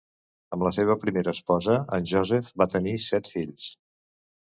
Amb la seva primera esposa, en Joseph va tenir set fills.